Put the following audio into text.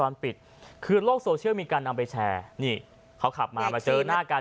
ตอนปิดคือโลกโซเชียลมีการนำไปแชร์นี่เขาขับมามาเจอหน้ากัน